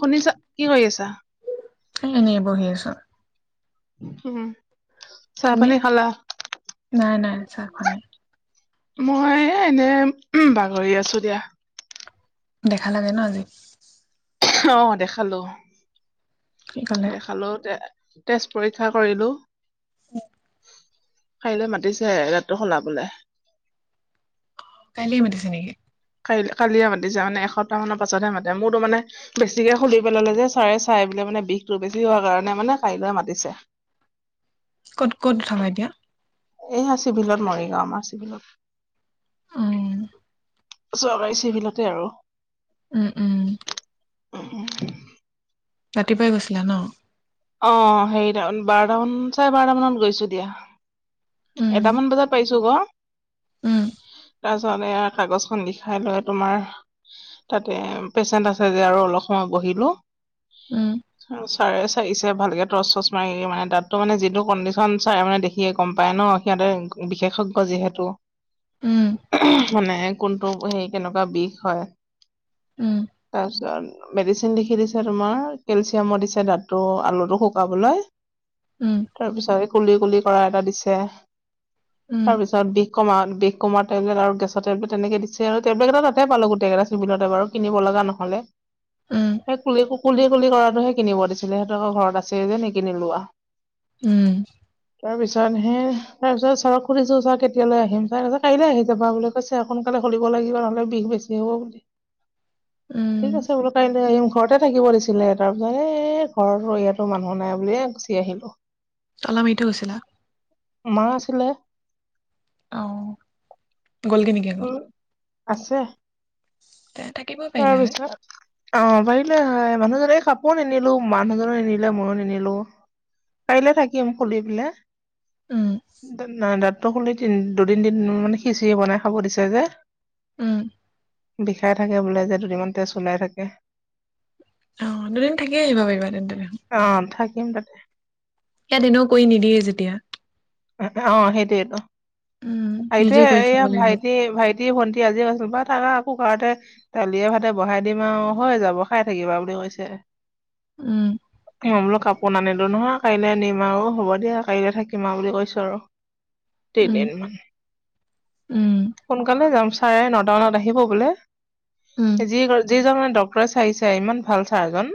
শুনিছা কি কৰি আছা? এ এনে বহি আছো। উম চাহ তুমি পানী খালা। নাই নাই চাহ খোৱা নাই। মই এনে বাগৰি আছো দিয়া। দেখা লাগে ন আজি। অ দেখালো কি ক'লে দেখালো তে তেজ পৰীক্ষা কৰিলো উ কাইলৈ মাতিছে ৰাতটো শলাবলে কাইলেই মাতিছে নেকি? কাই কালিয়ে মাতিছে মানে এসপ্তাহ পাছতহে মাতে মোৰতো মানে বেছিকে খুুলি পেলালে যে চাৰে চাই বোলে মানে বিষ বেছি হোৱাৰ কাৰণে মানে কাইলৈ মাতিছে ক'ত ক'ত উ খাবা এতিয়া এইয়া চিভিলত মৰিগাঁও আমাৰ চিভিলত উম চৰকাৰী চিভিলতে আৰু উম উম উ অ ৰাতিপুৱাই গৈছিলা ন অ সেইৰিটান বাৰটামান চাৰে বাৰটামানত গৈছো দিয়া উম এটামান বজাত পাইছো গ উম বাবে কাগজখন লিখাই লয় তোমাৰ তাতে পেচেন্ট আছে যে আৰু অলপ সময় বহিলো উম চাৰে চিছে ভালকৈ টচ চচ মাৰি মানে দাটটো মানে যিটো কডিশ্যন চাৰে মানে দেখিয়ে গম পায় ন সিহঁতে বিশেষজ্ঞ যিহেতু উম মানে কোনটো হে কেনেকুৱা বিষ হয় উম তাৰপিছত মেডিচিন লিখি দিছে তোমাৰ কেলচিয়ামো দিছে দাতটো আলুটো শুকাবলৈ উম তাৰপিছত কুলি কুলি কৰা এটা দিছে উম তাৰপিছত বিষ কমা বিষ কমা টেবলেট আৰু গেছ টেবলেট তেনেকে দিছে আৰু টেবলেট এটা তাতে পালো গোটেই কেইটা চিভিলতে বাৰু ত কিনিব লগা নহলে। উম সেই কুলি কুলিয়কুলি কৰাটো সে কিনিব দিছিলে সিহঁতক ঘৰত আছে যে নিকিলো লোৱা উম আৰু বিচৰা নাই আহে তাৰ পিছত ছাৰক সুধিছো ছাৰ কেতিয়ালৈ আহিম তাৰ পিছত কাইলৈ আহি যাবা বুলি কৈছে সোনকালে খুলিব লাগিব লে বিষ বেছি হ'ব বুলি উম ঠিক আছে বোল কাইলৈ আহি ঘৰতে থাকিব দিছিলে তাৰ পিছত এ ঘৰতো ইয়াতো মানুহ নাই বুলিয়ে গুচি আহিলো। তলা মাৰি থৈ গৈছিলা মা আছিলে। আহ গলগে নেকি আকৌ উম আছে। তে থাকিব তাৰ পাৰিলা হয় পিছত অ পাৰিলে হয়। মানুহজনে এই কাপোৰ নিনিলো মানুহজনো নিনিলে ময়ো নিনিলো। কাইলৈ থাকিম খুলি পেলাই উম নাই দাত। টো খুলি তি দুদিন দিন মানে খিচিৰি বনাই খাব দিছে যে। উম। বিষাই থাকে বোলে যে দুদমানতে তেজ ওলাই থাকে। অ দুদিন থাকিয়ে আহিব পাৰিবা তেন্তে। অ থাকিম তাতে। এদিনো কৰি নিদিয়ে যেতিয়া। অ সেইটোৱেটো। উম সেইটোৱে নিজে কৰি খাব এইয়া লাগিব ভাইটি ভাইটি ভন্টি আজি আ বা তাকা আকৌ ঘৰতে। দলিয়ে ভাতে বহাই দিম আৰু হৈ যাব খাই থাকিবা বুলি কৈছে। উম মই বোলো কাপোৰ নানিলো নহয় কাইলে আনিম আৰু হ'ব দিয়া। কাইলৈ থাকিম বুলি কৈছো আৰু উম তিনিদিন। উম সোনকালে যাম চাৰে নটা মানত আহিব বোলে। উম যি যিজন মানে ডক্টৰে চাইছে ইমান ভাল ছাৰজন।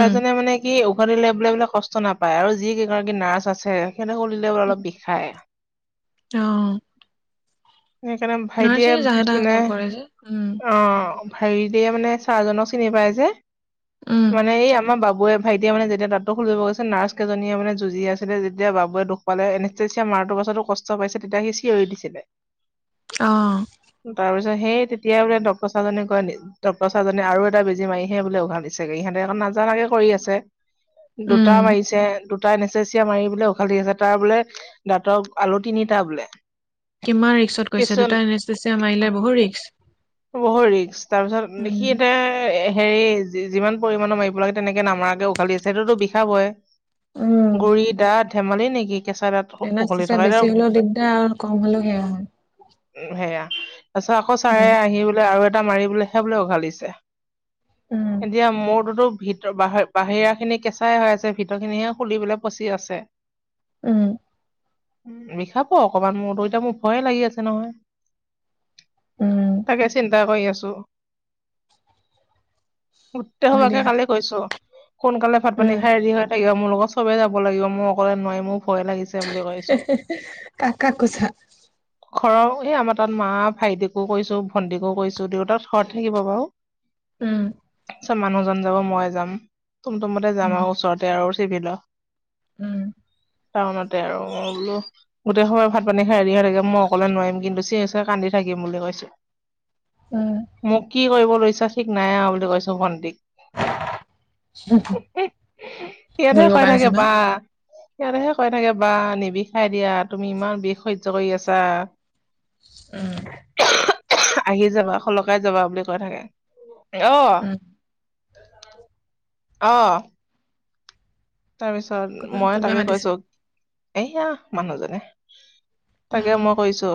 উম মানে কি উভতিলে বোলে কষ্ট নাপায়, আৰু যি কেইগৰাকী নাৰ্ছ আছে সিহঁতে কৰিলে অলপ বিষায়। আহ সেইকাৰণে ভাইটিয়ে তাহে মানে কাম কৰে যে উম অ হেৰি দে মানে চাহজনক চিনি পায় যে উম মানে এই আমাৰ বাবু বাবে ভাইটিয় মানে যেতিয়া দাতটো খুলজিব গৈছে। নাৰ্ছ কেইজনীয়ে মানে যুজি আছিল। যেতিয়া বাবুয়ে দুখ পালে। পাছতো কষ্ট পাইছে তেতিয়া সি চিঞৰি দিছিলে। আহ তাৰপিছত সেই তেতিয়া বোলে ডক্টৰছাৰ জনে কয়। ডক্টৰছাৰ জনে আৰু এটা বেজী মাৰিহে বোলে উঘালিছেগে, ইহঁতে আক নাজানাকে কৰি আছে। উম দুটা মাৰিছে দুটাই নেচেচিয়া মাৰি বোলে উঘালি আছে। তাৰ বোলে দাঁতৰ আলু তিনিটা বোলে। কিমান ৰিক্সত কৈছে কিছুমান দুটা এন এছচিয়া মাৰিলে বহু ৰিক্স। বহুত ৰিক্স তাৰপিছত সি উম এয়া এ হেৰি যিমান পৰিমাণৰ মাৰিব লাগে তেনেকে নামাৰাকে উখালি দিছে। সেইটোতো বিষাব বয় গুৰি দাঁত ধেমালি নেকি? কেঁচা দাঁত এন উঘলি এছচিয়া থকা এতিয়া বেছি হলেও দিগদাৰ আৰু কম হলেও সেয়া হয়। সেয়া তাৰ পিছত আকৌ ছাৰে উম আহি বোলে আৰু এটা মাৰি বোলে সেই বোলে উঘালিছে। উম এতিয়া মোৰতো ত ভিতৰ ব বাহিৰা খিনি কেঁচাই হৈ আছে ভিতৰ খিনিহে খুলিবলে পচি আছে। উম উ বিষাব অকমান মোৰতো এতিয়া মোৰ ভয়ে লাগি আছে নহয়। উম তাকে চিন্তা কৰি আছো। হয় গোটেইসোপাকে দিয়া কালি কৈছো। সোনকালে ভাত পানী উম খাই হেৰি হৈ থাকিব। মোৰ লগত চবেই যাব লাগিব মোৰ অকলে নোৱাৰিম। মোক ভয় লাগিছে বুলি কৈছো। কাক কাক কৈছা ঘৰৰ এই আমাৰ তাত মা ভাইটিকো কৰিছো, ভন্টিকো কৰিছো, দেউতাত ঘৰত থাকিব বাৰু উম। আ মানুহজন যাব মই যাম। তুম তুমতে যাম উম আৰু ওচৰতে আৰু চিবিল উম টাউনতে আৰু মই বোলো গোটেই সময় ভাত প এনে হেৰি হৈ থাকে মই অকলে নোৱাৰিম কিন্তু চিঞৰি চিঞৰি কান্দি থাকিম বুলি কৈছো। উম মোক কি কৰিব লৈছা ঠিক নাই বুলি কৈছো ভণ্টিক ভুল সিহঁতেহে কয় বকা থাকে নিচিনা বা সিহঁতেহে কয় থাকে বা নিবিষাই দিয়া তুমি ইমান বিষ সহ্য কৰি আছা। উম আহি যাবা খোলকাই যাবা বুলি কৈ থাকে। অ উম আহ তাৰপিছত কোনোবা মই কোনোবাই তাকে মাতিছে কৈছো এয়া মানুহজনে অ তাকে মই কৈছো।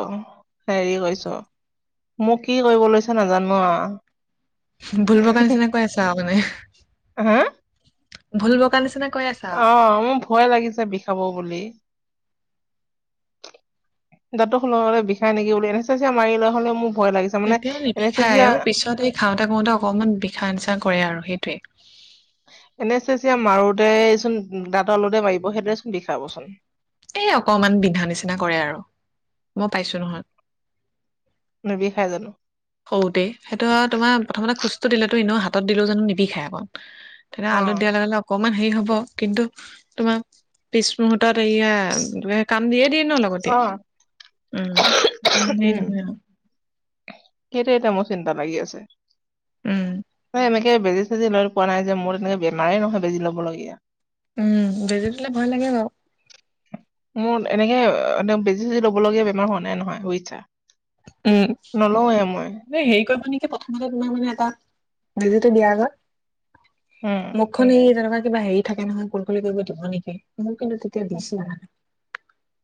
হেৰি কৈছো মোক কি কৰিব লৈছে নাজানো ভুলবকাৰ নিচিনা কৈ আছা মানে। হা ভুল বকা নিচিনা কৈ আছা আৰু অ', মোৰ ভয় লাগিছে বিষাব বুলি। দাতো সলে বিষাই নেকি উল এনে চা যে মাৰি লোৱা হ'লে মোক- তেতিয়া নিবিখায়ও পিছত এই খাওঁতে কওঁতে অকমান বিষা নিচা কৰে আৰু সেইটোৱে। এনেচেচিয়া মাৰোতেচোন দাঁতৰ লতে মাৰিব সেইদৰে চোন বিখাবচোন। এ অকমান বিন্ধা নিচিনা কৰে আৰু মই পাইছো নহয়। নি বিষাই জানো। সৰুতে সেটো তোমাৰ প্ৰথমতে খোজটো দিলেতো এনেও হাতত দিলোও জানো নিবি খায় আক- তেনে আলু অ', দিয়া লগে অকমান অকমান হেৰি হ'ব কিন্তু তোমাৰ পিছ মুহূুৰ্তত এয়া ত কাম দিয়ে দিয়ে। লগতে অ', উম ইমান হেৰি নহয় আৰু সেইটেই ত মোৰ চিন্তা লাগি আছে উম! তেনেকে বেজি চেজি লৈ পোৱা নাই যে মোৰ তেনেকে বেমাৰেই নহয় বেজি ল'বলগীয়া- উম বেজি দিলে ভাল লাগে বাৰু মোৰ এনেকে বেজি বেজি ল'ব লগগীয়া বেমাৰ হোৱা নাই নহয় বুই ইচ্ছা। উম ম হেৰি ক প্ৰথমতে তোমাৰ মানে এটা বেজিটো দিয়া আগত উম মুখখনি তেনেকুৱা- কিবা হেৰি থাকে নহয় কুল খুলি কৰিব দিব লাগে। কিন্তু তেতিয়া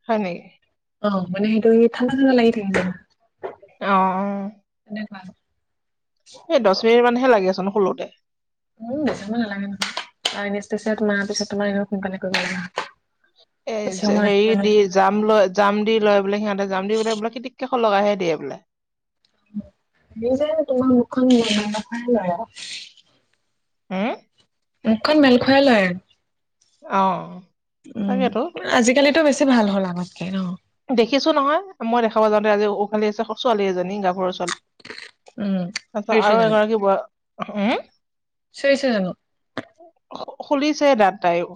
হয় নেকি অ মানে সেইটো ঠাণ্ডা ঠান্দা লাগি থাকে [unintelligible] অ অ। হয় এই দহ মিনিট মানহে লাগি খোলোতে উ বেচি সময় নালাগে [unintelligible] পিছত তোমাৰ সোনকালে কৰিব লাগে এ বেছি সময় ৰাখিব হেৰি নোৱাৰে দি জাম লয় জাম দি লয় বোলে সিহঁতে জাম দি বোলে বোলে কেতিকে- লগাহে দিয়ে বোলে- [unintelligible] হে মূখন মেল খোৱাই লয়- অ উম তাকেতো আজিকালিতো বেছি ভাল হ'ল আগতকে ন- দেখিছো নহয় মই দেখাবা যাওঁতে আজি উফালি আছে ক ছোৱালী এজনী গাভৰুছোৱালী। উম আচছা চিঞৰিছে আৰু এগৰাকী ব উম চিয়ছেযানো খুলিছে দা তাইও-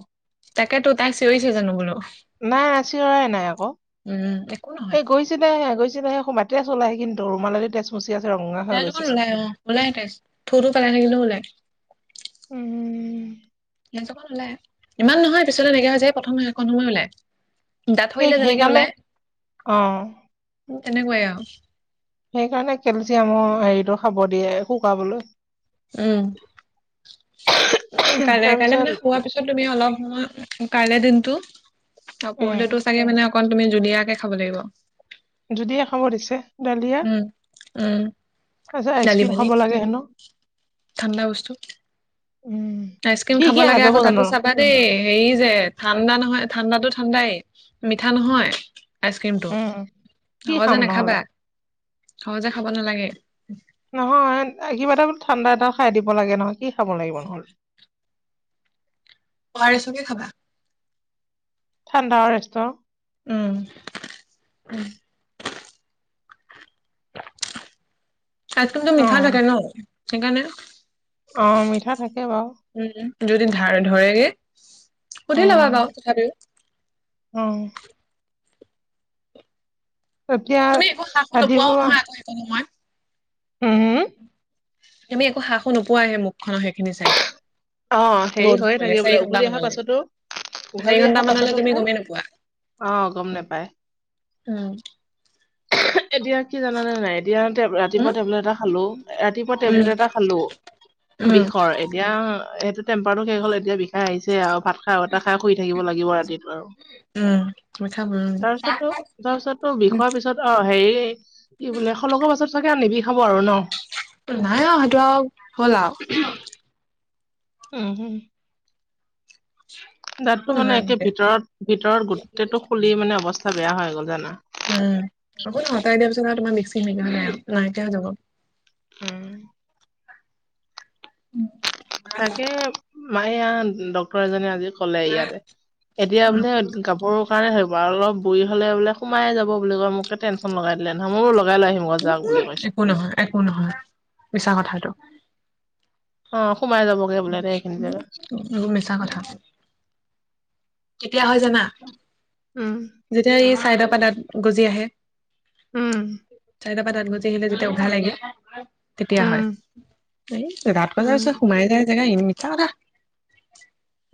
তাকেতো তাক চিঞৰিছে জানো বোলো। নাই আচি ৱা ই নাই আকৌ উম একো নহয় এই গৈছে নাই গৈছে। গৈছিলে হে মাতি আছো ওলাই দৰ [unintelligible] তাই ওলাই ওলাইটাই থু থু পেলাই থাকিলেও ওলাই। উম উম ওলায় ইমান নহয় পিছলৈ এনেকা হৈ যায় প্ৰথম নহয় অকণ সময় ওলায়। দাঁতহ সেই ৰিলে যেনেকে সেইকাৰণে ওলায় অ তেনেকুৱাই আওঁ সেইকাৰণে কেলচিয়ামৰ হেৰিটো খাব দিয়ে শুকাবলৈ উম উ কাই কাইলৈ তাৰপিছত মানে হোৱা পিছত তুমি অলপ সময়। কাইলৈ দিনটো আৰু উম পৰহিলো চাগে মানে অকণ তুমি জনীয়াকে খাব লাগিব। যদিহে খবৰ দিছে। ডালিয়া উম উম তাৰপিছত দালি আইচক্ৰীম পানী খাব লাগে হেনো। ঠাণ্ডা বস্তু। উম। আইচক্ৰীম সি খাব সি লাগে নাযাব আকৌ তাতো জানো চাবা দেই হেৰি যে ঠাণ্ডা নহয় ঠাণ্ডাতো। ঠাণ্ডাই মিঠা নহয়। আইচক্ৰীমটো উম কি সহজে খাম নহ'লে নাখাবা সহজে খাব নালাগে। নহয় কিবা এটা ঠাণ্ডা এটা খাই দিব লাগে নহয় কি খাব লাগিব নহ'লে। [unintelligible] পহাৰে চকে খাবা ঠাণ্ডাও ৰেসষ্ট। উম। আইচঞীমটো অ মিঠা থাকে ন সেইকাৰণে। অ মিঠা থাকে বাৰু। উম, যদি ধ ধৰেগে শুধি লবা গাওঁ তথাপিও। অ এতিয়া তুমি একো সাহো ৰাতিপোৱা উম উম। আমি একো শাহো নোপোৱা আহে মুখখননৰ সেইখিনি চাইত। অ হেৰি হৈয়ে থাকে বোলে ঘন্টা উভতি অহা মানলে। পাছতো চাৰি উঘালি ঘন্টা অহা মানলে পাছতো তুমি প নাই গমেই নোপোৱা। অ গম নেপায়। উম। এতিয়া কি জানানে নাই এতিয়া উম, ৰাতিপুৱা টেবলেট এটা খালো ৰাতিপুৱা টেবলেট এটা খালো। উম, বিষৰ এতিয়া। এইেইটো টেম্পাৰো শেষ হল এতিয়া বিষাই আহিছে আৰু ভাত খা এটা খাই খ শুই থাকিব লাগিব ৰাতিত। উম, মিঠাম উম, তাৰপিছতো তাৰপিছতো উম, বিষোৱাৰ পিছত অ হেৰি। কি বোলে সলৰ পাছত থাকে আনিবি। নাই অ সেইটো আৰু হ'ল আৰু উম হম। উম দাঁতটো মানে একে ভিতৰত ভিতৰত গোটেই টো খুলি মানে অৱস্থা বেয়া হৈ গ'ল জানা। উম আকৌ ন সতাই দিয়াৰ পিছত আৰু তোমাৰ মিক্সি সেক হলে আৰু নাই এতিয়া যাব। উম। উম তাকে মায়া ডক্তৰ এজনী আজি। কলে ইয়াতে এতিয়া উম, বোলে কাপোৰৰ কাৰণে হ বাৰ অলপ বুঢ়ি‌ হলে বোলে সোমাই যাব বুলি ক মোকে টেনচন লগাই দিলে নহ মোৰোল। একো নহয় একো নহয় মিছা কথাটো। অ সোমাই যাবগে বোলে দে এইখিনি জেগাত মিছা কথা। তেতিয়া হয় জানা উম যেতিয়া এই চাইদৰ পাদাত গজি আহে। উম চাৰিটা পৰা দাত বজি আহিলে যেতিয়া উঘাহ লাগে। তেতিয়া উম হয় এই ৰাাত উম বজাৰছ সোমাই যায় জেগা ই মিছা কথা।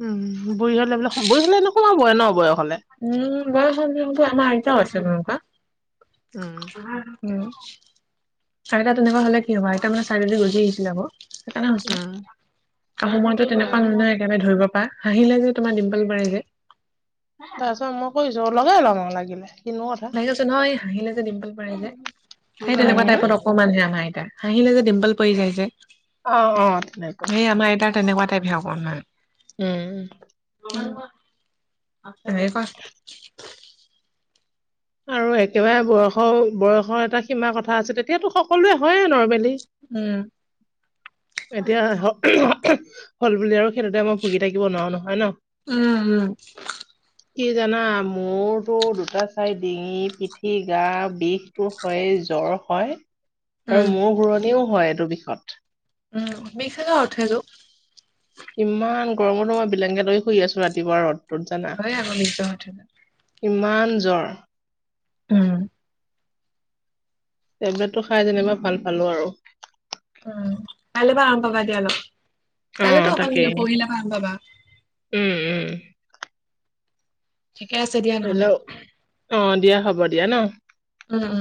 উম বুঢ়ী হলে বোলে বুঢ়ী হলে এনে সোমা বয় ন বয়স। হলে উম ব আমা‌ আইটাছে মকা। উম [unintelligible] উম আইতা তেনেকুৱা হলে কি হ'ব আইতা মানে চাৰিদি গজি আহিছিলে আকৌ। সেইকাৰণেছ উম আহ সময়তো তেনেকুৱা নান নহ মই একেবাৰে ধৰিব। বা হাঁহিলে যে তোমাৰ ডিম্পল বঢ়ে যে। তাৰপিছত মই কৈছো লগাই লম লাগিলে কিনো কথা লাগি আছে নহয় এই হাঁহিলে যে ডিম্পল পৰে যে সেই তেনেকোৱা উম টাইপত অকমানহে আমাৰ হাঁহিলে যে ডিম্পল পৰি যায় যে অ অ তেনেকুৱা সে আমাৰ এটাৰ তেনেকোৱা টাইপহে কৰো হা উম স ক [unintelligible] আৰু একেবাৰে বয়স বয়সৰ এটা সীমা কথা আছে তেতিয়াটো সকলোৱে হয়ে নৰ্মেলি উম এতিয়া হল বুলি আৰু সেইেটোতে মই ভুগি থাকিব নোৱাৰো নহয় ন উম কি জানা মোৰতো দুটা গোটেই ই ডিঙি পিঠি গা বিষটো হয়ে জ্বৰ হয় আৰু উম মোৰ ঘুৰণিও হয় এইটো বিষত উম মি খাগে উঠিলো ইমান গৰমতো মই বেলেংকেট লৈ শুই আছো ৰাতিপুৱা ৰদ হয় আকৌ নি ইমান জ্বৰ উম টেবলেটটো খাই যেনিবা ভাল পালো আৰু। উম কাইলৈবা অ কাইলেতো অকল তাকেই পঢ়িলে ভাল পাবা। উম উম ঠিকে আছে দিয়া নহ'লে। হেল্ল' অ দিয়া হ'ব দিয়া ন। উম উম